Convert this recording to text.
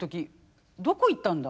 どこ行ったんだ？